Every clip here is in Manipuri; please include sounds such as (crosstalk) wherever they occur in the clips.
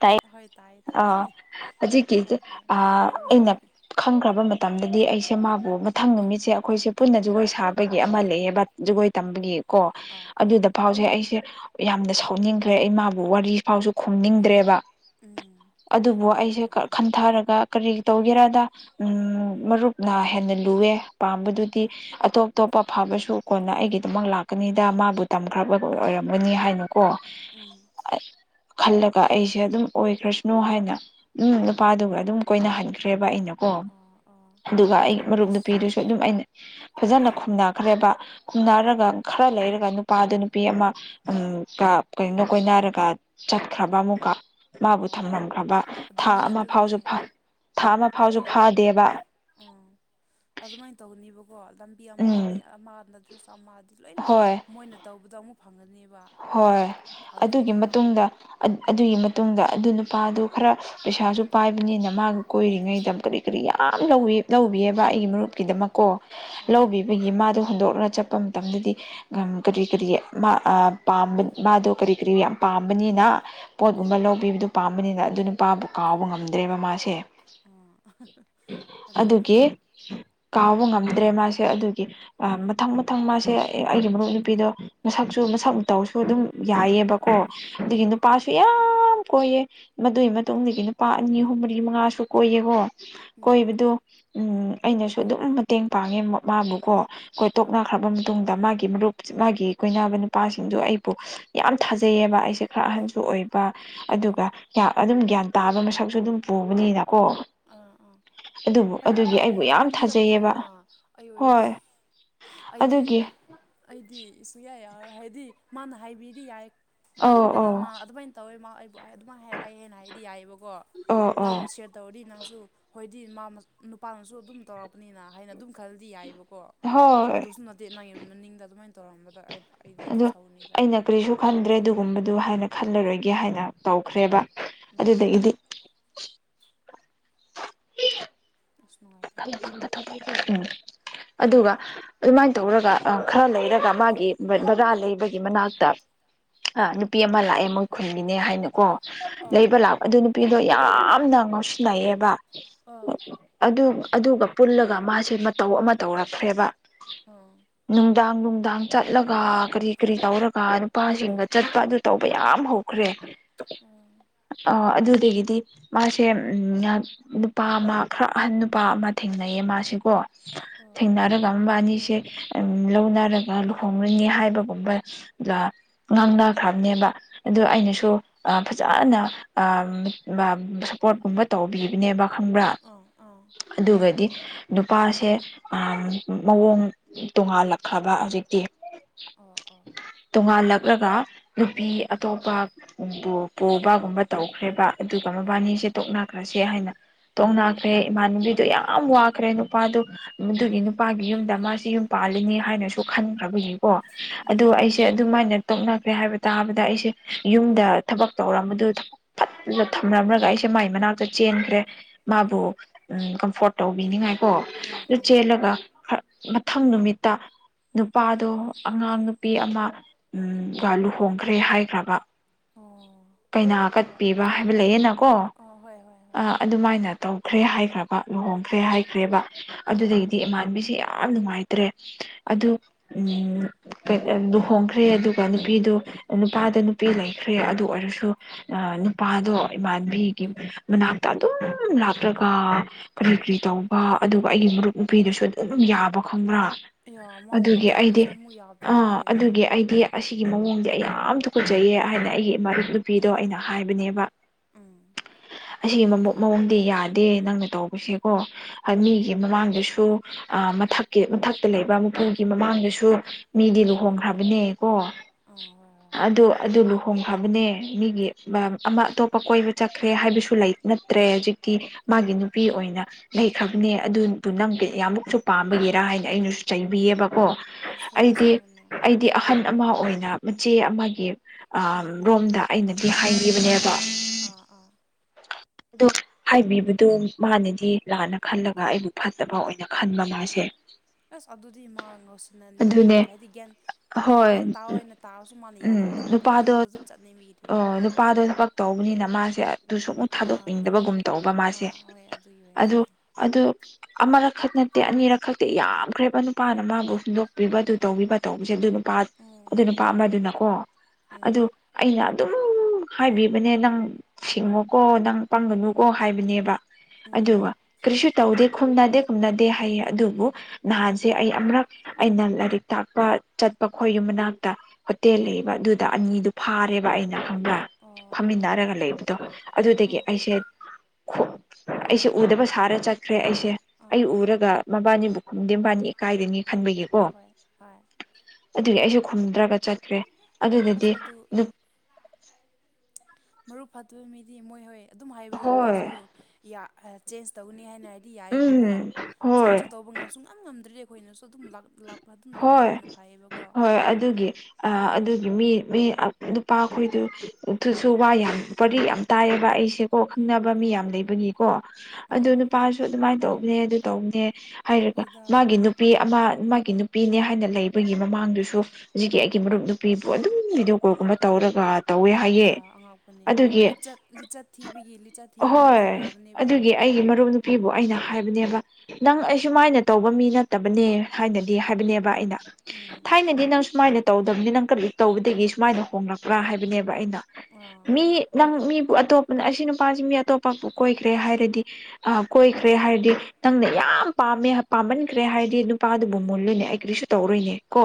ꯇꯥꯏ ꯍꯣꯏ ꯇꯥꯏꯌꯦ ꯑ ꯇꯥꯏꯌꯦ ꯍꯧꯖꯤꯛꯀꯤ ꯍꯣꯏ ꯍꯣꯏ ꯍꯧꯔꯣ ꯑꯩꯅ ꯈꯪꯈ꯭ꯔꯕ ꯃꯇꯝꯗꯗꯤ ꯑꯩꯁꯦ ꯃꯥꯕꯨ ꯃꯊꯪ ꯅꯨꯃꯤꯠꯁꯦ ꯑꯩꯈꯣꯏꯁꯦ ꯄꯨꯟꯅ ꯖꯒꯣꯏ ꯁꯥꯕꯒꯤ ꯑꯃ ꯂꯩꯑꯦꯕ ꯖꯒꯣꯏ ꯇꯝꯕꯒꯤ ꯀꯣ ꯑꯥ ꯑꯥ ꯑꯗꯨꯗ ꯐꯥꯎꯁꯦ ꯑꯩꯁꯦ ꯌꯥꯝꯅ ꯁꯥꯎꯅꯤꯡꯈ꯭ꯔꯦ ꯑꯩ ꯃꯥꯕꯨ ꯋꯥꯔꯤ ꯐꯥꯎꯁꯨ ꯈꯨꯝꯅꯤꯡꯗ꯭ꯔꯦꯕ ꯎꯝ ꯍꯣꯏꯗ ꯑꯗꯨꯕꯨ ꯑꯗꯨꯃꯥꯏꯅ ꯑꯩꯁꯦ ꯇꯧꯕꯅꯤ ꯈꯟꯊꯔꯒ ꯀꯔꯤ ꯇꯧꯒꯦꯔꯗ ꯎ ꯃꯔꯨꯞꯅ ꯍꯦꯟꯅ ꯂꯨꯑꯦ ꯄꯥꯝꯕꯗꯨꯗꯤ ꯑꯇꯣꯞ ꯑꯇꯣꯞꯄ ꯐꯕꯁꯨ ꯀꯣꯟꯅ ꯑꯩꯒꯤ ꯑꯗꯨꯃꯛ ꯂꯥꯛꯀꯅꯤꯗ ꯃꯥꯕꯨ ꯇꯝꯈ꯭ꯔꯕ ꯑꯣꯏꯔꯝꯒꯅꯤ ꯍꯥꯏꯅꯀꯣ ꯎꯝ ꯈꯜꯂꯒ ꯑꯩꯁꯦ ꯑꯗꯨꯝ ꯑꯣꯏꯈ꯭ꯔꯁꯅꯨ ꯍꯥꯏꯅ ꯎꯝ ꯅꯨꯄꯥꯗꯨꯒ ꯑꯗꯨꯝ ꯀꯣꯏꯅꯍꯟꯈ꯭ꯔꯦꯕ ꯑꯩꯅ ꯀꯣ ꯑꯥ ꯑꯥ ꯑꯗꯨꯒ ꯑꯩ ꯃꯔꯨꯞ ꯑꯩꯁ ꯅꯨꯄꯤꯗꯨꯁꯨ ꯑꯗꯨꯝ ꯑꯩꯅ ꯐꯖꯅ ꯈꯨꯝꯅꯈ꯭ꯔꯦꯕ ꯎꯝ ꯈꯨꯝꯅꯔꯒ ꯈꯔ ꯂꯩꯔꯒ ꯅꯨꯄꯥꯗ ꯅꯨꯄꯤ ꯑꯃ ꯀꯩꯅꯣꯣ ꯀꯣꯏꯅꯔꯒ ꯆꯠꯈ꯭ꯔꯕ ꯑꯃꯨꯛ ꯀꯣ ꯃꯥꯕꯨ ꯑꯣ ꯊꯝꯂꯝꯈ꯭ꯔꯕ ꯊꯥ ꯑꯗꯨꯅꯦ ꯑꯃ ꯑꯗꯨꯅꯦ ꯐꯥꯎꯁꯨ ꯊꯥ ꯑꯃ ꯐꯥꯎꯁꯨ ꯐꯗꯦꯕ ꯑ ꯑꯗꯨꯃꯥꯏꯅ ꯇꯧꯅꯦꯕꯀꯣ ꯂꯝꯕꯤ ꯎꯝ ꯑꯃꯅꯤ ꯑꯃ ꯅꯗ꯭ꯔꯦꯁ ꯑꯃ ꯂꯣꯏꯅ ꯍꯣꯏ ꯃꯣꯏꯅ ꯇꯧꯕꯗꯣ ꯑꯃꯨꯛ ꯐꯪꯒꯅꯦꯕ ꯍꯣꯏ ꯑꯗꯨꯒꯤ ꯑꯗꯨꯒꯤꯗꯃꯛ ꯃꯇꯨꯡꯗ ꯑꯗꯨꯒꯤ ꯃꯇꯨꯡꯗ ꯑꯗꯨ ꯅꯨꯄꯥꯗꯨ ꯈꯔ ꯄꯩꯁꯥꯁꯨ ꯄꯥꯏꯕꯅꯤꯅ ꯃꯥꯒ ꯀꯣꯏꯔꯤꯉꯩꯗ ꯀꯔꯤ ꯀꯔꯤ ꯌꯥꯝ ꯂꯧꯕꯤꯑꯕ ꯑꯩꯒꯤ ꯑꯥ ꯃꯔꯨꯞꯀꯤꯗꯃꯛꯀꯣ ꯑꯥ ꯂꯧꯕꯤꯌꯨ ꯑꯩꯈꯣꯏꯒꯤ ꯃꯥꯗꯣ ꯍꯨꯟꯗꯣꯛꯂꯒ ꯆꯠꯄ ꯃꯇꯝꯗꯗꯤ ꯀꯔꯤ ꯀꯔꯤ ꯝꯕ ꯃꯥꯗꯣ ꯀꯔꯤ ꯀꯔꯤ ꯌꯥꯝ ꯄꯥꯝꯕꯅꯤꯅ ꯎꯝ ꯄꯣꯠꯒꯨꯝꯕ ꯂꯧꯕꯤꯕꯗ ꯄꯥꯝꯕꯅꯤꯅ ꯑꯗꯨ ꯅꯨꯄꯥꯕꯨ ꯀꯥꯎꯕ ꯉꯝꯗ꯭ꯔꯦꯕ ꯃꯥꯁꯦ ꯑꯥ ꯑꯗꯨꯅꯦ ꯑꯗꯨꯒꯤ ꯀꯥꯎꯕ ꯉꯝꯗ꯭ꯔꯦ ꯃꯥꯁ ꯁꯦ ꯑꯗꯨꯒꯤ ꯃꯊꯪ ꯃꯊꯪ ꯃꯥꯁꯦ ꯑꯩꯒꯤ ꯃꯔꯨꯞ ꯅꯨꯄꯤꯗꯣ ꯃꯁꯛꯁꯨ ꯃꯁꯛ ꯇꯧꯁꯨ ꯑꯗꯨꯝ ꯌꯥꯏꯑꯕꯀꯣ ꯑꯗꯨꯗꯒꯤ ꯑꯥ ꯅꯨꯄꯥꯁꯨ ꯁꯨ ꯌꯥꯝ ꯀꯣꯏꯌꯦ ꯃꯗꯨꯏ ꯃꯇꯨꯡꯗꯒꯤ ꯅꯨꯄꯥ ꯑꯅꯤ ꯍꯨꯝ ꯃꯔꯤ ꯃꯉꯥꯁꯨ ꯀꯣꯏꯌꯦꯀꯣ ꯎꯝ ꯀꯣꯏꯕꯗꯣ ꯎꯝ ꯑꯩꯅꯁꯨ ꯑꯗꯨꯝ ꯃꯇꯦꯡ ꯄꯥꯡꯉꯦ ꯃꯥꯕꯨꯀꯣ ꯑꯩꯈꯣꯏ ꯑꯥ ꯇꯣꯛꯅꯈ꯭ꯔꯕ ꯃꯇꯨꯡꯗ ꯃꯥꯒꯤ ꯃꯔꯨꯞ ꯃꯥꯒꯤ ꯀꯣꯏꯅꯕ ꯅꯨꯄꯥ ꯗ ꯑꯩꯕꯨ ꯌꯥꯝ ꯊꯥꯖꯩꯑꯕ ꯑꯩꯁꯦ ꯈꯔ ꯎꯝ ꯑꯍꯟꯁꯨ ꯑꯣꯏꯕ ꯎꯝ ꯑꯗꯨꯒ ꯑꯗꯨꯝ ꯒ꯭ꯌꯥꯟ ꯇ ꯇꯥꯕ ꯃꯁꯛꯁꯨ ꯑꯗꯨꯝ ꯄꯨꯕꯅꯤꯅꯀꯣ ꯑꯥ ꯑꯥ ꯑꯗꯨꯕꯨ ꯑꯗꯨꯒꯤ ꯑꯩꯕꯨ ꯍꯣꯏ ꯅꯪꯗꯤ ꯌꯥꯝ ꯊꯥꯖꯩꯌꯦꯕ ꯐꯩꯅ ꯑꯩ ꯑꯣꯏꯔꯗꯤ ꯍꯣꯏ ꯑꯩꯗꯤ ꯑꯗꯨꯒꯤ ꯑꯩꯗꯤ ꯁꯁꯨꯨꯌꯥꯏ ꯌꯥꯎꯔ ꯍꯥꯏꯗꯤ ꯃꯥꯅ ꯍꯥꯏꯕꯤꯔꯤ ꯌꯥꯏ ꯑꯧ ꯑꯍꯥꯟꯕꯗ ꯑꯧ ꯃꯥ ꯑꯗꯨꯃꯥꯏꯅ ꯇꯧꯋꯦ ꯃꯥ ꯑꯩꯕꯨ ꯑꯗꯨꯃꯥꯏꯅ ꯍꯥꯏꯔ ꯑꯩ ꯍꯦꯟꯅ ꯍꯥꯏꯗꯤ ꯌꯥꯏꯑꯕꯀꯣ ꯑꯧ ꯑꯧ ꯅꯪꯕꯨ ꯁꯦ ꯇꯧꯔꯗꯤ ꯅꯪꯁꯨ ꯍꯣꯏꯗꯤ ꯃꯥ ꯅꯨꯄꯥꯅꯁꯨ ꯑꯗꯨꯝ ꯇꯧꯔꯛꯄꯅꯤꯅ ꯍꯥꯏꯅ ꯑꯗꯨꯝ ꯈꯜꯂꯗꯤ ꯌꯥꯏꯑꯕꯀꯣ ꯍꯣꯏ ꯑꯗꯨꯁꯨ ꯅꯠꯇꯦ ꯅꯪꯒꯤ ꯃꯅꯤꯡꯗ ꯑꯗꯨꯃꯥꯏꯅ ꯇꯧꯔꯝꯕꯗ ꯑꯩ ꯑꯩꯗꯤ ꯌꯥꯝ ꯑꯗꯣ ꯁꯥꯎꯅꯤꯗ ꯑꯩꯅ ꯀꯔꯤꯁꯨ ꯈꯟꯗ꯭ꯔꯦ ꯑꯗꯨꯒꯨꯝꯕꯗꯨ ꯍꯥꯏꯅ ꯈꯜꯂꯔꯣꯏꯒꯦ ꯍꯥꯏꯅ ꯇꯧꯈ꯭ꯔꯦꯕ ꯎꯝ ꯑꯗꯗ ꯏꯗꯤ ꯎ (inaudible) ꯅꯨꯡꯉꯥꯏꯇꯦꯗ ꯑꯗꯨꯒ ꯑꯗꯨꯃꯥꯏꯅ ꯇꯧꯔꯒ ꯈꯔ ꯂꯩꯔꯒ ꯃꯥꯒꯤ ꯕꯕꯥꯥ ꯂꯩꯕꯒꯤ ꯃꯅꯥꯛꯇ ꯑ ꯅꯨꯄꯤ ꯑꯃ ꯂꯥꯛꯑꯦ ꯃꯣꯏ ꯈꯨꯟꯒꯤꯅꯦ ꯍꯥꯏꯅꯀꯣ ꯑꯥ ꯂꯩꯕ ꯂꯥꯛꯄ ꯑꯗꯨ ꯅꯨꯄꯤꯗꯣ ꯌꯥꯝꯅ ꯉꯧꯁꯤꯟꯅꯩꯑꯦꯕ ꯑꯥ ꯑꯗꯨꯒ ꯄꯨꯜꯂꯒ ꯃꯥꯁꯦ ꯃꯇꯧ ꯑꯃ ꯇꯧꯔꯛꯈ꯭ꯔꯦꯕ ꯑꯥ ꯅꯨꯡꯗꯥꯡ ꯅꯨꯡꯗꯥꯡ ꯆꯠꯂꯒ ꯀꯔꯤ ꯀꯔꯤ ꯇꯧꯔꯒ ꯅꯨꯄꯥꯁꯤꯡꯒ ꯆꯠꯄ ꯑꯗꯨ ꯇꯧꯕ ꯌꯥꯝ ꯍꯧ ꯀꯈ꯭ꯔꯦ ꯑ ꯑꯗꯨꯗꯒꯤꯗꯤ ꯃꯥꯁꯦ ꯅꯨꯄꯥ ꯑꯃ ꯈꯔ ꯑꯍꯟ ꯅꯨꯄꯥ ꯑꯃ ꯊꯦꯡꯅꯩꯌꯦ ꯃꯥꯁꯤꯀꯣ ꯑꯥ ꯑꯥ ꯊꯦꯡꯅꯔꯒ ꯑꯃꯝꯕ ꯑꯅꯤꯁꯦ ꯂꯧꯅꯔꯒ ꯂꯨꯍꯣꯡꯡꯂꯅꯤ ꯍꯥꯏꯕꯒꯨꯝꯕ ꯉꯥꯡꯅꯈ꯭ꯔꯕꯅꯦꯕ ꯑꯣ ꯑꯩꯅꯁꯨ ꯑ ꯐꯖꯅ ꯁꯞꯄꯣꯔꯠꯀꯨꯝꯕ ꯇꯧꯕꯤꯕꯅꯦꯕ ꯈꯪꯕ꯭ꯔꯥ ꯑꯥ ꯑꯥ ꯑꯗꯨꯒꯗꯤ ꯅꯨꯄꯥꯁꯦ ꯃꯑꯣꯡ ꯇꯣꯉꯥꯜꯂꯛꯈ꯭ꯔꯕ ꯍꯧꯖꯤꯛꯇꯤ ꯑꯥ ꯑꯥ ꯇꯣꯉꯥꯜꯂꯛꯂꯒ ꯅꯨꯄꯤ ꯑꯇꯣꯞꯄ ꯄꯨꯕꯒꯨꯝꯕ ꯇꯧꯈ꯭ꯔꯦꯕ ꯑꯗꯨꯒ ꯑꯣ ꯃꯕꯥꯅꯤꯁꯦ ꯇꯣꯛ ꯈ꯭ꯔꯁꯦ ꯍꯥꯏꯅ ꯇꯣꯛ ꯈ꯭ꯔꯦ ꯏꯃꯥꯟꯅꯕꯤꯗꯨꯣ ꯌꯥꯝ ꯋꯥꯈ꯭ꯔꯦ ꯅꯨꯄꯥꯗꯨ ꯃꯗꯨꯒꯤ ꯅꯨꯄꯥꯒꯤ ꯌꯨꯝꯗ ꯃꯥꯁꯦ ꯌꯨꯝ ꯄꯥꯜꯂꯤꯅꯤ ꯍꯥꯏꯅꯁꯨ ꯈꯟꯈ꯭ꯔꯕꯒꯤꯀꯣ ꯑꯗꯣ ꯎꯝ ꯑꯩꯁꯦ ꯑꯗꯨꯃꯥꯏꯅ ꯇꯧꯅꯈ꯭ꯔꯦ ꯍꯥꯏꯕ ꯇꯥꯕꯗ ꯑꯩꯁꯦ ꯌꯨꯝꯗ ꯊꯕꯛ ꯇꯧꯔꯝꯕꯗꯨ ꯐꯂ ꯊꯝꯅꯕ꯭ꯔꯒ ꯑꯩꯁꯦ ꯃꯥꯏ ꯃꯅꯥꯛꯇ ꯆꯦꯟꯈ꯭ꯔꯦ ꯃꯥꯕꯨ ꯑꯥ ꯎꯝ ꯀꯝꯐꯣꯔꯠ ꯇꯧꯕꯤꯅꯤꯉꯥꯏꯀꯣ ꯎꯝ ꯑꯗꯨ ꯎꯝ ꯆꯦꯜꯂꯒ ꯃꯊꯪ ꯅꯨꯃꯤꯠꯇ ꯅꯨꯄꯥꯗꯣ ꯑꯉꯥꯡ ꯅꯨꯄꯤ ꯑꯃ ꯎꯝ ꯂꯨꯍꯣꯡꯈ꯭ꯔꯦ ꯍꯥꯏꯈ꯭ꯔꯕ ꯑꯣ ꯀꯩꯅꯥ ꯀꯠꯄꯤꯕ ꯍꯥꯏꯕ ꯂꯩꯌꯦꯅꯀꯣ ꯑ ꯍꯣꯏ ꯍꯣꯏ ꯍꯣꯏ ꯑꯗꯨꯃꯥꯏꯅ ꯇꯧꯈ꯭ꯔꯦ ꯍꯥꯏꯈ꯭ꯔꯕ ꯂꯨꯍꯣꯡꯈ꯭ꯔꯦ ꯑꯣ ꯍꯥꯏꯈ꯭ꯔꯦꯕ ꯑꯥ ꯑꯗꯨꯗꯒꯤꯗꯤ ꯏꯃꯥꯟꯅꯕꯤꯁꯦ ꯌꯥꯝ ꯅꯨꯡꯉꯥꯏꯇ꯭ꯔꯦ ꯑꯗꯨ ꯎꯝ ꯎꯝ ꯂꯨꯍꯣꯡꯈ꯭ꯔꯦ ꯑꯗꯨꯒ ꯅꯨꯄꯤꯗꯨ ꯅꯨꯄꯥꯗꯣ ꯅꯨꯄꯤ ꯂꯩꯈ꯭ꯔꯦ ꯑꯗꯨ ꯑꯣꯏꯔꯁꯨ ꯅꯨꯄꯥꯗꯣ ꯏꯃꯥꯟꯕꯤꯒꯤ ꯃꯅꯥꯛꯇ ꯑꯗꯨꯝ ꯂꯥꯛꯂꯒ ꯀꯔꯤ ꯀꯔꯤ ꯑꯦ ꯇꯧꯕ ꯑꯗꯨꯒ ꯑꯩꯒꯤ ꯃꯔꯨꯞ ꯅꯨꯄꯤꯗꯨꯁꯨ ꯑꯗꯨꯝ ꯌꯥꯕ ꯈꯪꯕ꯭ꯔꯥ ꯑꯌꯥ ꯃꯥ ꯑꯗꯨꯒꯤ ꯑꯩꯗꯤ ꯃꯥꯅꯁꯨ ꯑꯃꯨꯛ ꯑ ꯌꯥꯕꯤꯔꯗꯤ ꯂꯣꯏꯔꯦꯍꯦ ꯑꯗꯨꯒꯤ ꯑꯩꯗꯤ ꯑꯁꯤꯒꯤ ꯃꯑꯣꯡꯗꯤ ꯑꯩ ꯌꯥꯝ ꯇꯨꯀꯨꯠꯆꯩꯑ ꯍꯥꯏꯕꯅꯦ ꯑꯩꯒꯤ ꯃꯔꯨꯞ ꯅꯨꯄꯤꯗꯣ ꯑꯩꯅ ꯍꯥꯏꯕꯅꯦꯕ ꯎꯝ ꯑꯁꯤꯒꯨꯝꯕ ꯑꯗꯨꯗꯤ ꯃꯑꯣꯡꯗꯤ ꯌꯥꯗꯦ ꯅꯪꯅ ꯇꯧꯕꯁꯦꯀꯣ ꯍꯥꯏ ꯎꯝ ꯃꯤꯒꯤ ꯃꯃꯥꯡꯗꯁꯨ ꯃꯊꯛꯀꯤ ꯃꯊꯛꯇ ꯂꯩꯕ ꯃꯄꯨꯒꯤ ꯃꯃꯥꯡꯗꯁꯨ ꯃꯤꯗꯤ ꯍꯣꯏ ꯂꯨꯍꯣꯡꯈ꯭ꯔꯕꯅꯦ ꯀꯣ ꯑꯥ ꯍꯣꯏ ꯍꯣꯏ ꯑꯗꯨ ꯑꯗꯨ ꯂꯨꯍꯣꯡꯈ꯭ꯔꯕꯅꯦ ꯃꯤꯒꯤ ꯑꯃ ꯑꯇꯣꯞꯄ ꯀꯣꯏꯕ ꯆꯠꯈ꯭ꯔꯦ ꯍꯥꯏꯕꯁꯨ ꯂꯩ ꯅꯠꯇ꯭ꯔꯦ ꯍꯧꯖꯤꯛꯀꯤ ꯃꯥꯒꯤ ꯅꯨꯄꯤ ꯑꯣꯏꯅ ꯂꯩꯈ꯭ꯔꯥꯕꯅꯦ ꯑꯗꯨꯕꯨ ꯅꯪꯗꯤ ꯌꯥꯝꯃꯨꯛꯁꯨ ꯄꯥꯝꯕꯒꯤꯔ ꯍꯥꯏꯅ ꯑꯩꯅꯁꯨ ꯆꯩꯕꯤꯌꯦꯕ ꯀꯣ ꯑꯁ ꯍꯣꯏ ꯑꯩꯗꯤ ꯑꯁꯦꯡꯕꯅꯦ ꯑꯩꯗꯤ ꯑꯍꯟ ꯑꯃ ꯑꯣꯏꯅ ꯃꯆꯦ ꯑꯃꯒꯤ ꯑꯥ ꯎꯝ ꯎꯝ ꯔꯣꯝꯗ ꯑꯩꯅꯗꯤ ꯍꯥꯏꯕꯤꯕꯅꯦꯕ ꯑꯥ ꯑꯥ ꯑꯗꯣ ꯍꯥꯏꯕꯤꯕꯗꯣ ꯃꯥꯅꯗꯤ ꯂꯥꯟꯅ ꯈꯜꯂꯒ ꯑꯩꯕꯨ ꯐꯠꯇꯕ ꯑꯣꯏꯅ ꯈꯟꯕ ꯃꯥꯁꯦ ꯑꯁ ꯑꯗꯨꯗꯤ ꯃꯥ ꯉꯥꯎꯁꯤꯟꯅꯅꯤꯡꯕꯒꯤ ꯑꯗꯨꯅꯦ ꯍꯥꯏꯗꯤ ꯒ꯭ꯌꯥꯟ ꯍꯣꯏ ꯒ꯭ꯌꯥꯟ ꯇꯥꯑꯣꯏꯅ ꯇꯥꯔꯁꯨ ꯃꯥꯅ ꯎꯝ ꯌꯥꯅꯤꯡꯗꯕꯤꯒꯤ ꯑꯗꯨꯔꯣꯝꯗ ꯑꯗꯨꯨꯝ ꯆꯠꯅꯤꯡꯕꯒꯤꯅꯦꯕ ꯅꯨꯄꯥꯗꯣꯁꯨ ꯊꯕꯛ ꯇꯧꯕꯅꯤꯅ ꯃꯥꯁꯦ ꯑꯗꯨꯁꯨ ꯑꯃꯨꯛ ꯑꯥ ꯊꯥꯗꯣꯛꯅꯤꯡꯗꯕꯒꯨꯝ ꯇꯧꯕ ꯃꯥꯁꯦ ꯑꯥ ꯍꯣꯏ ꯑꯗꯨꯒꯤ ꯑꯣꯏꯔꯝꯅꯤꯗ ꯑꯗꯣ ꯑꯃꯔꯛꯈꯛ ꯅꯠꯇꯦ ꯑꯅꯤꯔꯛ ꯈꯛꯇꯤ ꯌꯥꯝꯈ꯭ꯔꯦꯕ ꯅꯨꯄꯥꯅ ꯃꯥꯕꯨ ꯍꯨꯟꯗꯣꯛꯄꯤꯕ ꯑꯗꯨ ꯇꯧꯕꯤꯕ ꯇꯧꯕꯁꯦ ꯑꯗꯨ ꯅꯨꯄꯥ ꯎꯝ ꯑꯗꯨ ꯅꯨꯄꯥ ꯑꯃꯗꯨꯅꯀꯣ ꯎꯝ ꯑꯗꯨ ꯑꯩꯅ ꯑꯗꯨꯝ ꯁꯨꯝ ꯍꯥꯏꯕꯤꯕꯅꯦ ꯅꯪ ꯁꯤꯡꯉꯣꯀꯣ ꯅꯪ ꯄꯪꯒꯅꯨꯀꯣ ꯍꯥꯏꯕꯅꯦꯕ ꯎꯝ ꯑꯗꯨꯒ ꯀꯔꯤꯁꯨ ꯇꯧꯗꯦ ꯈꯨꯝꯅꯗꯦ ꯈꯨꯝꯅꯗꯦ ꯍꯥꯏꯌꯦ ꯑꯗꯨꯕꯨ ꯅꯍꯥꯟꯁꯦ ꯑꯩ ꯑꯃꯨꯔꯛ ꯑꯩꯅ ꯂꯥꯏꯔꯤꯛ ꯇꯥꯛꯄ ꯆꯠꯄ ꯈꯣꯏꯌꯨꯝ ꯃꯅꯥꯛꯇ ꯍꯣꯇꯦꯜ ꯑꯥ ꯂꯩꯕ ꯑꯗꯨꯗ ꯑꯅꯤꯗꯨ ꯐꯥꯔꯦꯕ ꯑꯩꯅ ꯈꯪꯕ꯭ꯔ ꯑꯣ ꯑꯣ ꯐꯝꯃꯤꯟꯅꯔꯒ ꯂꯩꯕ ꯑꯗꯨꯗꯒꯤ ꯑꯣ ꯑꯩꯁꯦ ꯑꯩꯁꯦ ꯎꯗꯕ ꯁꯥꯔ ꯆꯠꯈ꯭ꯔꯦ ꯑꯩꯁꯦ ꯑꯥ ꯑꯩ ꯑꯥ ꯎꯔꯒ ꯃꯕꯥꯅꯤꯕꯨ ꯈꯝꯗꯦ ꯃꯕꯥꯅꯤ ꯏꯀꯥꯏꯔꯅꯤ ꯈꯟꯕꯒꯤ ꯀꯣ ꯍꯣꯏ ꯍꯣꯏ ꯑꯗꯨꯗꯤ ꯑꯩꯁꯨ ꯈꯨꯝꯗ꯭ꯔꯒ ꯆꯠꯈ꯭ꯔꯦ ꯑꯗꯨꯗꯗꯤ ꯑꯁ ꯑꯗꯨ ꯃꯕꯨꯛ ꯐꯠꯇꯕ ꯃꯤꯗꯤ ꯃꯣꯏ ꯍꯣꯏ ꯑꯗꯨꯝ ꯍꯥꯏꯕꯗꯨ ꯍꯣꯏ ꯃꯣꯏꯁꯨ ꯌꯥꯏ ꯆꯦꯟꯖ ꯇꯧꯒꯅꯤ ꯍꯥꯏꯅ ꯗꯤ ꯎꯝ ꯌꯥꯏꯑꯌꯦꯕꯀꯣ ꯍꯣꯏ ꯆꯦꯟꯖꯁꯨ ꯇꯧꯕ ꯉꯝꯁꯨ ꯁꯨꯉꯝ ꯉꯝꯗ꯭ꯔꯦ ꯑꯩꯈꯣꯏꯅꯁꯨ ꯑꯗꯨꯝ ꯂꯥꯛ ꯂꯥꯛ ꯍꯣꯏ ꯍꯣꯏ ꯑꯗꯨꯒꯤ ꯑꯥ ꯎꯝ ꯑꯗꯨꯒꯤ ꯃꯤ ꯃꯤ ꯅꯨꯄꯥꯈꯣꯏꯗꯨ ꯑꯗꯨꯁꯨ ꯋꯥ ꯌꯥꯝ ꯋꯥꯔꯤ ꯌꯥꯝ ꯇꯥꯏꯑꯕ ꯑꯩꯁꯨ ꯀꯣ ꯈꯪꯅꯕ ꯃꯤ ꯑꯥ ꯌꯥꯝ ꯂꯩꯕꯅꯤꯀꯣ ꯑꯗꯨ ꯑꯥ ꯅꯨꯄꯥꯁꯨ ꯑꯗꯨꯃꯥꯏꯅ ꯇꯧꯕꯅꯦ ꯑꯗꯨ ꯇꯧꯕꯅꯦ ꯍꯥꯏꯔꯒ ꯍꯣꯏꯗ ꯃꯥꯒꯤ ꯅꯨꯄꯤ ꯑꯃ ꯃꯥꯒꯤ ꯅꯨꯄꯤꯅꯦ ꯍꯥꯏꯅ ꯂꯩꯕꯒꯤ ꯃꯃꯥꯡꯗꯨꯁꯨ ꯍꯧꯖꯤꯛꯀꯤ ꯑꯩꯒꯤ ꯃꯔꯨꯞ ꯅꯨꯄꯤꯕꯨ ꯑꯗꯨꯝ ꯚꯤꯗꯤꯑꯣ ꯀꯣꯜꯒꯨꯝꯕ ꯇꯧꯔꯒ ꯇꯧꯋꯦ ꯍꯥꯏꯌꯦ ꯑꯌꯥ ꯑꯉꯥꯛꯄꯅꯦ ꯑꯗꯨꯒꯤ ꯂꯤꯆꯠ ꯂꯤꯆꯠ ꯊꯤꯕꯤꯒꯤ ꯂꯤꯆꯠ ꯊꯤꯕꯤꯌꯨ ꯊꯦꯡꯅ ꯍꯣꯏ ꯑꯗꯨꯒꯤ ꯑꯩꯒꯤ ꯃꯔꯨꯞ ꯅꯨ ꯅꯨꯄꯤꯕꯨ ꯑꯩꯅ ꯍꯥꯏꯕꯅꯦꯕ ꯅꯪ ꯎꯝ ꯑꯩꯁꯨꯨꯃꯥꯏꯅ ꯇꯧꯕ ꯃꯤ ꯅꯠꯇꯕꯅꯦ ꯍꯥꯏꯅꯗꯤ ꯍꯥꯏꯕꯅꯦꯕ ꯕ ꯑꯩꯅ ꯎꯝ ꯊꯥꯏꯅꯗꯤ ꯅꯪ ꯁꯨꯃꯥꯏꯅ ꯇꯧꯗꯕꯅꯤ ꯅꯪ ꯀꯔꯤ ꯇꯧꯕꯗꯒꯤ ꯁꯨꯃꯥꯏꯅ ꯍꯣꯡꯂꯛꯄ꯭ꯔꯥ ꯍꯥꯏꯕꯅꯦꯕ ꯑꯩꯅ ꯑꯥ ꯃꯤ ꯍꯣꯏ ꯅꯪ ꯃꯤꯕꯨ ꯑꯇꯣꯞꯄꯅ ꯑꯁꯤ ꯅꯨꯄꯥꯁꯤ ꯃꯤ ꯑꯇꯣꯞꯄꯕꯨ ꯀꯣꯏꯈ꯭ꯔꯦ ꯍꯥꯏꯔꯗꯤ ꯑ ꯀꯣꯏꯈ꯭ꯔꯦ ꯍꯥꯏꯔꯗꯤ ꯅꯪꯅ ꯌꯥꯝ ꯄꯥꯝꯃꯦ ꯄꯥꯝꯃꯟꯈ꯭ꯔꯦ ꯍꯥꯏꯔꯗꯤ ꯅꯨꯄꯥꯗꯨ ꯕꯨ ꯃꯨꯜꯂꯨꯅꯦ ꯑꯩ ꯀꯔꯤꯁꯨ ꯇꯧꯔꯣꯏꯅꯦ ꯀꯣ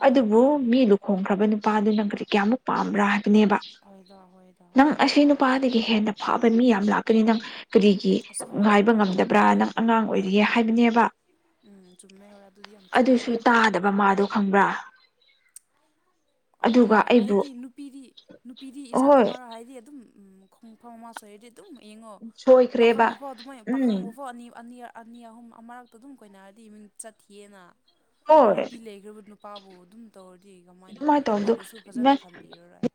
ꯍꯣꯏ ꯑꯗꯨꯕꯨ ꯃꯤ ꯂꯨꯈꯣꯡꯈ꯭ꯔꯕ ꯅꯨꯄꯥꯗꯨ ꯅꯪꯒꯗꯤ ꯀꯌꯥꯃꯨꯛ ꯄꯥꯝꯕ꯭ꯔꯥ ꯍꯥꯏꯕꯅꯦꯕ ꯍꯣꯏꯗ ꯍꯣꯏꯗ ꯅꯪ ꯑꯁꯤ ꯅꯨꯄꯥꯗꯒꯤ ꯍꯦꯟꯅ ꯐꯥꯕ ꯃꯤ ꯌꯥꯝ ꯂꯥꯛꯀꯅꯤ ꯅꯪ ꯀꯔꯤꯒꯤ ꯑꯁꯦꯡꯕꯅꯦ ꯉꯥꯏꯕ ꯍꯣꯏ ꯉꯝꯗꯕ꯭ꯔꯥ ꯅꯪ ꯑꯉꯥꯡ ꯑꯣꯏꯔꯤꯌꯦ ꯎꯝ ꯍꯥꯏꯕꯅꯦꯕ ꯎꯝ ꯆꯨꯝꯃꯧ ꯑꯗꯨꯁꯨ ꯇꯥꯗꯕ ꯃꯥꯗꯣ ꯈꯪꯕ꯭ꯔꯥ ꯑꯗꯨꯒ ꯑꯩꯕꯨ ꯍꯥꯏꯗꯤ ꯅꯨꯄꯤꯗꯤ ꯅꯨꯄꯤꯗꯤ ꯏꯖꯥꯠ ꯑꯍꯣꯏ ꯑꯃꯔ ꯍꯥꯏꯗꯤ ꯑꯗꯨꯝ ꯈꯣꯡꯐꯝ ꯑꯃ ꯁꯣꯏꯔꯗꯤ ꯑꯗꯨꯝ ꯌꯦꯡꯉꯣ ꯁꯣꯏꯈ꯭ꯔꯦꯕ ꯄꯥꯈꯪꯕꯐꯥꯎ ꯑꯗꯨꯃꯥꯏꯅ ꯄꯥꯈꯪ ꯎꯝ ꯃꯐꯧ ꯑꯅꯤ ꯑꯅꯤ ꯑꯅꯤ ꯑꯍꯨꯝ ꯑꯃꯔꯛꯇ ꯑꯗꯨꯝ ꯀꯣꯏꯅꯔꯗꯤ ꯏꯃ ꯆꯠꯈꯤ ꯑꯦꯅ ꯍꯣꯏ ꯅꯨꯄꯤ ꯂꯩꯈ꯭ꯔꯕ ꯅꯨ ꯄꯥꯕꯨ ꯑꯗꯨꯝ ꯇꯧꯔꯗꯤ ꯀꯃꯥꯏꯅ ꯑꯗꯨꯃꯥꯏꯅ ꯇꯧꯕꯗꯣ ꯃꯤꯅꯁꯨ ꯐꯖꯅ ꯅꯪ ꯈꯟꯕꯤꯔꯔꯣꯏ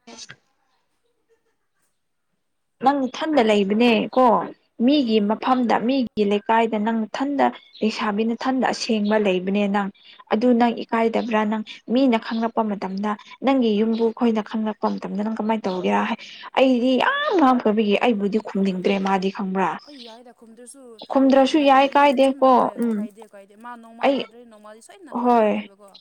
ꯅꯪ ꯊꯟꯗ ꯂꯩꯕꯅꯦ ꯀꯣ ꯃꯤꯒꯤ ꯑꯥ ꯃꯐꯝꯗ ꯃꯤꯒꯤ ꯂꯩꯀꯥꯏꯗ ꯅꯪ ꯊꯟꯗ ꯂꯩꯁꯥꯕꯤꯅꯊꯟꯗ ꯑꯁꯦꯡꯕ ꯂꯩꯕꯅꯦ ꯅꯪ ꯑꯗꯨ ꯅꯪ ꯍꯣꯏ ꯏꯀꯥꯏꯗꯕ꯭ꯔꯥ ꯅꯪ ꯃꯤꯅ ꯈꯪꯂꯛꯄ ꯃꯇꯝꯗ ꯅꯪꯒꯤ ꯌꯨꯝꯕꯨ ꯑꯩꯈꯣꯏꯅ ꯈꯪꯂꯛꯄ ꯀꯄ ꯃꯇꯝꯗ ꯅꯪ ꯀꯃꯥꯏꯅ ꯇꯧꯒꯦꯔꯥ ꯍꯥꯏ ꯑꯩꯗꯤ ꯌꯥꯝ ꯉ ꯀꯤꯕꯒꯤ ꯑꯩꯕꯨꯗꯤ ꯍꯣꯏ ꯈꯨꯝꯅꯤꯡꯗ꯭ꯔꯦ ꯃꯥꯗꯤ ꯈꯪꯕ꯭ꯔꯥ ꯑꯩ ꯌꯥꯏꯗ ꯈꯨꯝꯗ꯭ꯔꯁꯨ ꯍꯥꯏꯗꯤ ꯈꯨꯝꯗ꯭ꯔꯁꯨ ꯅꯪ ꯌꯥꯏ ꯅꯪꯗꯤ ꯆꯨꯝꯅ ꯀꯥꯏꯗꯦꯀꯣ ꯈꯣꯏ ꯎꯝ ꯀꯥꯏꯗꯦ ꯀꯥꯏꯗꯦ ꯃꯥ ꯅꯣꯡꯃꯥ ꯑꯩ ꯅꯠꯇ꯭ꯔ ꯅꯣꯡꯃꯥꯗꯤ ꯁꯣꯏꯅ ꯍꯣꯏ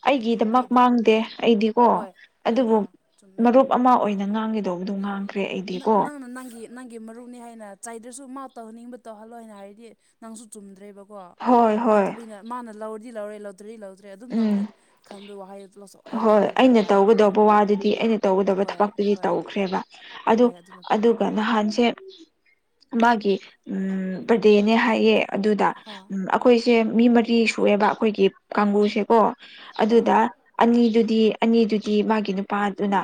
ꯑꯩꯒꯤꯗꯃꯛ ꯃꯥꯡꯗꯦ ꯑꯩꯗꯤꯀꯣ ꯍꯣꯏ ꯑꯗꯨꯕꯨ ꯍꯣꯏꯗ ꯆꯨꯝꯃꯦ ꯃꯔꯨꯞ ꯑꯃ ꯑꯣꯏꯅ ꯉꯥꯡꯒꯦꯇꯧꯕꯗꯣ ꯉꯥꯡꯈ꯭ꯔꯦ ꯅꯪ ꯑꯩꯗꯤꯀꯣ ꯅꯪꯅ ꯅꯪꯒꯤ ꯅꯪꯒꯤ ꯃꯔꯨꯞꯅꯤ ꯍꯥꯏꯅ ꯆꯩꯥꯗ꯭ꯔꯁꯨ ꯃꯥ ꯇꯧꯍꯟꯅꯤꯡꯕ ꯇꯧꯍꯜꯂꯣ ꯍꯥꯏꯅ ꯍꯥꯏꯔꯗꯤ ꯅꯪꯁꯨ ꯆꯨꯝꯗ꯭ꯔꯦꯕꯀꯣ ꯍꯣꯏ ꯍꯣꯏ ꯅꯠꯇꯕꯤꯅ ꯃꯥꯅ ꯂꯧꯔꯗꯤ ꯂꯧꯔꯦ ꯂꯧ ꯇꯗ꯭ꯔꯔꯤ ꯂꯧꯗ꯭ꯔꯦ ꯑꯗꯨꯝ ꯅꯪꯅ ꯎꯝ ꯈꯟꯕ ꯋꯥꯍꯩ ꯂꯧꯆꯧ ꯍꯣꯏ ꯑꯩꯅ ꯇꯧꯒꯗꯧꯕ ꯋꯥꯗꯨꯗꯤ ꯑꯩꯅ ꯇꯧꯒꯗꯧꯕ ꯍꯣꯏ ꯊꯕꯛꯇꯨꯗꯤ ꯍꯣꯏ ꯇꯧꯈ꯭ꯔꯦꯕ ꯑꯗꯨ ꯍꯣꯏ ꯑꯗꯨꯅ ꯐꯩꯗ ꯑꯗꯨꯒ ꯅꯍꯥꯟꯁꯦ ꯃꯥꯒꯤ ꯎꯝ ꯕꯥꯔꯗꯦꯅꯦ ꯍꯥꯏꯌꯦ ꯑꯗꯨꯗ ꯑꯥ ꯑꯩꯈꯣꯏꯁꯦ ꯃꯤ ꯃꯔꯤ ꯁꯨꯑꯦꯕ ꯑꯩꯈꯣꯏꯒꯤ ꯑꯥ ꯀꯥꯡꯒꯨꯁꯦꯀꯣ ꯑꯥ ꯑꯗꯨꯗ ꯑꯅꯤꯗꯨꯗꯤ ꯑꯅꯤꯗꯨꯗꯤ ꯃꯥꯒꯤ ꯅꯨ ꯅꯨꯄꯥꯗꯨꯅ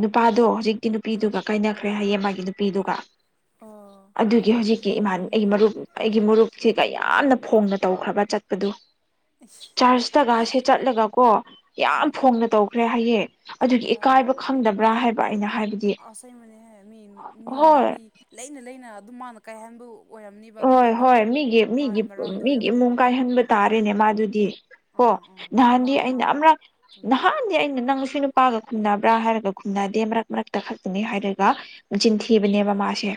ꯅꯨꯄꯥꯗꯣ ꯍꯧꯖꯤꯛꯇꯤ ꯎꯝ ꯅꯨꯄꯤꯗꯨꯒ ꯀꯥꯏꯅꯈ꯭ꯔꯦ ꯍꯥꯏꯌ ꯃꯥꯒꯤ ꯅꯨꯄꯤꯗꯨꯒ ꯑꯥ ꯑꯗꯨꯒꯤ ꯍꯧꯖꯤꯛꯀꯤ ꯃꯣꯏ ꯏꯃꯥꯟ ꯑꯩꯒꯤ ꯃꯩ ꯃꯔꯨꯞ ꯑꯩꯒꯤ ꯃꯨꯔꯨꯞꯁꯤꯒ ꯌꯥꯝꯅ ꯐꯣꯡꯅ ꯇꯧꯈ꯭ꯔꯕ ꯆꯠꯄꯗꯨ ꯆꯔꯆꯇꯒꯁꯦ ꯆꯠꯂꯒꯀꯣ ꯌꯥꯝ ꯎꯝ ꯐꯣꯡꯅ ꯇꯧꯈ꯭ꯔꯦ ꯍꯥꯏꯌꯦ ꯑꯗꯨꯒꯤ ꯌꯥ ꯏꯀꯥꯏꯕ ꯈꯪꯗꯕ꯭ꯔꯥ ꯍꯥꯏꯕ ꯑꯩꯅ ꯍꯥꯏꯕꯗꯤ ꯑꯁꯦꯡꯕꯅꯦꯍꯦ ꯃꯤ ꯃꯤ ꯍꯣꯏ ꯅꯨꯄꯤ ꯂꯩꯅ ꯂꯩꯅ ꯑꯗꯨꯝ ꯃꯥꯅ ꯀꯥꯏꯍꯟꯕꯨ ꯍꯣꯏ ꯍꯣꯏ ꯃꯤꯒꯤ ꯃꯤꯒꯤ ꯃꯔꯝꯗ ꯃꯤꯒꯤ ꯑꯣꯏꯔꯝꯅꯤꯕ ꯏꯃꯨꯡ ꯃꯣꯏꯅ ꯀꯥꯏꯍꯟꯕ ꯀꯣꯏꯅꯕꯗꯣ ꯇꯥꯔꯦꯅꯦ ꯃꯥꯗꯨꯗꯤ ꯑꯣ ꯑꯥ ꯑꯥ ꯅꯍꯥꯟꯗꯤ ꯃꯥꯟ ꯑꯩꯅ ꯃꯥꯟ ꯑꯃ ꯍꯣꯏ ꯔꯛ ꯆꯨꯝꯃꯦ ꯅꯍꯥꯟꯗꯤ ꯑꯩꯅ ꯅꯪ ꯁꯤ ꯑꯄꯥꯒ ꯈꯨꯟꯗꯥꯕ꯭ꯔꯥ ꯍꯥꯏꯔꯒ ꯈꯨꯟꯗꯥꯗꯦ ꯃꯔꯛ ꯃꯔꯛꯇ ꯈꯛꯇꯅꯤ ꯍꯥꯏꯔꯒ ꯆꯤꯟꯊꯤꯕꯅꯦꯕ ꯃꯥꯁꯦ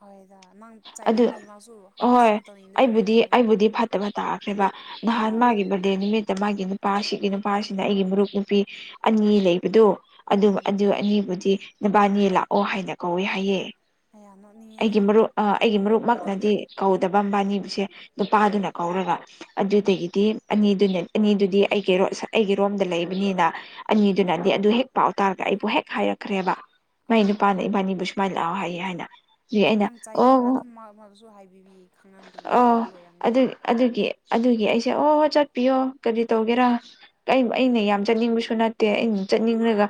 ꯍꯣꯏꯗ ꯅꯪ ꯑꯗꯨ ꯆꯥꯏꯃꯟꯕꯩ ꯃꯁꯨ ꯑꯍꯣꯏ ꯑꯩꯕꯨꯗꯤ ꯑꯩꯕꯨꯗꯤ ꯐꯠꯇꯕ ꯇꯥꯛꯈ꯭ꯔꯦꯕ ꯅꯍꯥꯟ ꯑꯥ ꯃꯥꯒꯤ ꯍꯣꯏ ꯍꯣꯏ ꯕꯥꯔꯗꯦ ꯅꯨꯃꯤꯠꯇ ꯃꯥꯒꯤ ꯅꯨꯄꯥ ꯑꯁꯤꯒꯤꯒꯤ ꯅꯨꯄꯥꯁꯤꯅ ꯑꯩꯒꯤ ꯃꯨꯞ ꯅꯨꯄꯤ ꯑꯅꯤ ꯂꯩꯕꯗꯣ ꯑꯗꯨ ꯎꯝ ꯑꯗꯨ ꯑꯅꯤꯕꯨꯗꯤ ꯅꯕꯥꯟꯅꯤ ꯂꯥꯛꯑꯣ ꯍꯥꯏꯅ ꯀꯧꯋꯦ ꯍꯥꯏꯌꯦ ꯑꯌꯥ ꯑꯩꯒꯤ ꯅꯣꯛꯅꯤꯡꯉꯦꯍꯦ ꯃꯔꯨꯞ ꯑ ꯑꯩꯒꯤ ꯃꯔꯨꯞꯃꯛꯅ ꯀꯧꯗꯕꯕꯥꯅꯤꯁꯦ ꯑꯥ ꯅꯨꯄꯥꯗꯨꯅ ꯀꯧꯔꯒ ꯑꯗꯨꯗꯒꯤꯗꯤ ꯑꯅꯤꯗꯨꯅ ꯑꯅꯤꯗꯨꯗꯤ ꯑꯩꯒꯤ ꯑꯩꯒꯤ ꯔꯣꯝꯗ ꯂꯩꯕꯅꯤꯅ ꯎꯝ ꯑꯅꯤꯗꯨꯅꯗꯤ ꯑꯗꯨ ꯍꯦꯛ ꯄꯥꯎ ꯇꯥꯔꯒ ꯑꯩꯕꯨ ꯍꯦꯛ ꯍꯥꯏꯔꯛꯈ꯭ꯔꯦꯕ ꯃꯥꯏ ꯑꯥ ꯅꯨꯄꯥꯅ ꯑꯥ ꯏꯕꯥꯟꯅꯤꯕꯨꯁꯨ ꯃꯥꯏ ꯂꯥꯥꯎ ꯍꯥꯏꯌꯦ ꯍꯥꯏꯅ ꯑꯗꯨ ꯑꯩꯅ ꯅꯪ ꯆꯌꯦꯅ ꯑꯗꯨꯝ ꯃꯗꯨꯁꯨ ꯍꯥꯏꯕꯤꯕꯤ ꯈꯪꯍꯟꯕꯤ ꯑ ꯀꯧꯗꯕ ꯑꯗꯨ ꯑꯣꯏꯔꯝꯅꯤꯗ ꯑꯗꯨꯒꯤ ꯑꯗꯨꯒꯤ ꯑꯩꯁꯦ ꯑꯣ ꯆꯠꯄꯤꯌꯣ ꯀꯔꯤ ꯇꯧꯒꯦꯔꯥ ꯑꯩꯅ ꯌꯥꯝ ꯆꯠꯅꯤꯡꯕꯁꯨ ꯅꯠꯇꯦ ꯑꯩꯅ ꯆꯠꯅꯤꯡꯉꯒ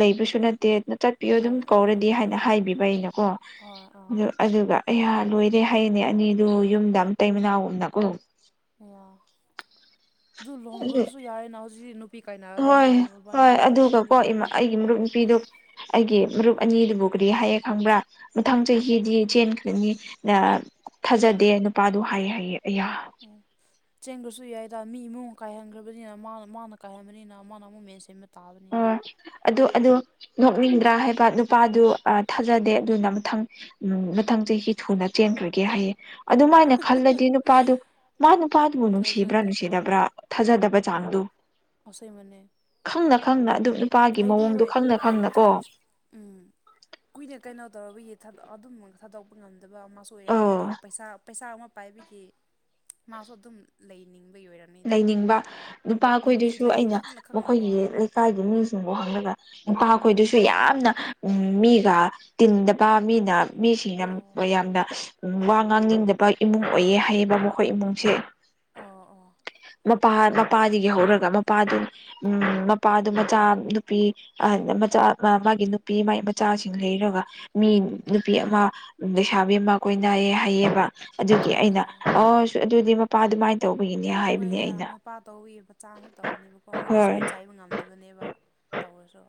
ꯂꯩꯕꯁꯨ ꯅꯠꯇꯦ ꯑꯗꯨꯅ ꯆꯠꯄꯤꯌꯣ ꯑꯗꯨꯝ ꯍꯣꯏ ꯍꯣꯏ ꯀꯧꯔꯗꯤ ꯍꯥꯏꯅ ꯍꯥꯏꯕꯤꯕ ꯑꯩꯅꯀꯣ ꯍꯣꯏ ꯑꯥ ꯑꯗꯨꯒ ꯑꯩꯌꯥ ꯂꯣꯏꯔꯦ ꯍꯥꯏꯌꯦꯅꯦ ꯑꯅꯤꯗꯨ ꯌꯨꯝꯗ ꯃꯇꯩ ꯃꯅꯥꯎ ꯒꯨꯝꯅꯀꯣ ꯑꯌꯥ ꯑꯗꯨ ꯂꯍꯣꯡꯒ꯭ꯔꯁꯨ ꯌꯥꯔꯦ ꯅ ꯍꯧꯖꯤꯛ ꯍꯣꯏ ꯍꯣꯏ ꯑꯗꯨꯒꯀꯣ ꯏꯃꯥ ꯑꯩꯒꯤ ꯎꯝ ꯃꯔꯨꯞ ꯅꯨꯄꯤꯗꯨ ꯑꯩꯒꯤ ꯃꯔꯨꯞ ꯑꯅꯤꯗꯨꯕꯨ ꯀꯔꯤ ꯍꯥꯏꯌꯦ ꯈꯪꯕ꯭ꯔꯥ ꯃꯊꯪ ꯀꯃꯥꯏ ꯆꯍꯤꯗꯤ ꯆꯦꯟ ꯈꯔꯅꯤ ꯊꯥꯖꯗꯦ ꯅꯨꯄꯥꯗꯨ ꯍꯥꯏꯌꯦ ꯍꯥꯏꯌꯦ ꯑꯌꯥ ꯆꯦꯟꯈ꯭ꯔꯁꯨ ꯌꯥꯏꯗ ꯃꯤ ꯏꯃꯨꯡ ꯀꯥꯏꯍꯟꯈ꯭ꯔꯕꯅꯤꯅ ꯃꯥ ꯃꯥꯅ ꯀꯥꯏꯍꯟꯕꯅꯤꯅ ꯃꯥꯅ ꯑꯃꯨꯛ ꯃꯦꯟ ꯁꯤꯟ ꯇꯥꯕꯅꯤꯅꯦ ꯑ ꯑꯗꯨ ꯑꯗꯨ ꯅꯣꯛꯅꯤꯡꯗ꯭ꯔꯥ ꯍꯥꯏꯕ ꯅꯨꯄꯥꯗꯨ ꯊꯥꯖꯗꯦ ꯑꯗꯨꯅ ꯃꯊꯪ ꯎꯝ ꯃꯊꯪ ꯆꯍꯤ ꯊꯨꯅ ꯆꯦꯟꯈ꯭ꯔꯒꯦ ꯍꯥꯏꯌꯦꯦ ꯑꯗꯨꯃꯥꯏꯅ ꯈꯜꯂꯗꯤ ꯅꯨꯄꯥꯗꯨ ꯃꯥ ꯅꯨꯄꯥꯗꯨꯕꯨ ꯅꯨꯡꯁꯤꯕ꯭ꯔꯥ ꯅꯨꯡꯁꯤꯗꯕ꯭ꯔꯥ ꯊꯥꯖꯗꯕ ꯆꯥꯡꯗꯨ ꯑꯁꯣꯏ ꯃ ꯈꯪꯅ ꯈꯪꯅ ꯑꯗꯨꯝ ꯅꯨꯄꯥꯒꯤ ꯃꯑꯣꯡꯗꯣ ꯈꯪꯅ ꯈꯪꯅ ꯀꯣ ꯎꯝ ꯀꯨꯏꯅ ꯀꯩꯅꯣ ꯇꯧꯔꯕꯒꯤ ꯑꯗꯨꯝ ꯊꯥꯗꯣꯛ ꯉꯝꯗꯕ ꯑꯃꯁꯨ ꯑꯣꯏꯔꯝꯃꯦ ꯑꯗꯣ ꯑ ꯄꯩꯁꯥ ꯄꯩꯁꯥ ꯑꯃ ꯄꯥꯏꯕꯒꯤ ꯃꯥꯁꯨ ꯑꯗꯨꯝ ꯂꯩꯅꯤꯡꯕꯒꯤ ꯑꯣꯏꯔꯝ ꯂꯩꯅꯤꯡꯕ ꯅꯨꯄꯥ ꯑꯩꯈꯣꯏꯗꯨꯁꯨ ꯂꯩꯌꯦ ꯑꯩꯅ ꯈꯪꯅ ꯈꯪꯅꯀꯣ ꯃꯈꯣꯏꯒꯤ ꯂꯩꯀꯥꯏꯗꯨ ꯃꯤꯁꯤꯡꯐꯥꯎ ꯍꯪꯉꯒ ꯅꯨꯄꯥꯈꯣꯏꯗꯨꯁꯨ ꯌꯥꯝꯅ ꯎ ꯃꯤꯒ ꯇꯤꯟꯗꯕ ꯃꯤꯅ ꯃꯤꯁꯤꯡꯅ ꯑꯣ ꯌꯥꯝꯅ ꯋꯥ ꯉꯥꯡꯅꯤꯡꯗꯕ ꯏꯃꯨꯡ ꯑꯣꯏꯌꯦ ꯍꯥꯏꯌꯦꯕ ꯃꯈꯣꯏ ꯏꯃꯨꯡꯁꯦ ꯑꯣꯥ ꯑꯣ ꯃꯄꯥ ꯃꯆꯥ ꯃꯄꯥꯗꯒꯤ ꯍꯧꯔꯒ ꯃꯄꯥꯗꯨ ꯎꯝ ꯃꯄꯥꯗꯨ ꯃꯆꯥ ꯅꯨꯄꯤ ꯃꯆꯥ ꯃꯥꯒꯤ ꯅꯨꯄꯤ ꯃꯒꯤ ꯃꯆꯥꯁꯤꯡ ꯂꯩꯔꯒ ꯃꯤ ꯅꯨꯄꯤ ꯑꯃ ꯎ ꯂꯩꯁꯥꯕꯤ ꯑꯃ ꯀꯣꯏꯅꯏꯌꯦ ꯍꯥꯏꯩꯑꯕ ꯑꯗꯨꯒꯤ ꯑꯩꯅ ꯑꯌꯥ ꯑ ꯑꯗꯨꯗꯤ ꯃꯄꯥ ꯑꯗꯨꯃꯥꯏꯅ ꯇꯧꯕꯒꯤꯅꯤ ꯍꯈꯣꯏꯗ ꯃꯄꯥ ꯇꯧꯋꯤ ꯃꯆꯥ ꯑꯃꯁꯁꯨ ꯇꯧꯕꯅꯦꯕꯀꯣ ꯃꯣꯏꯅꯁꯨ ꯍꯣꯏ ꯆꯥꯏꯕ ꯉꯝꯗ ꯑꯗꯨꯕꯨꯅꯦꯕ ꯇꯧꯔꯁꯨ